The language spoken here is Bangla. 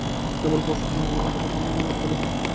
কেবল পশম দিয়া নহে, মণির কোমল আঙুলের স্পর্শ দিয়া ইহা বোনা।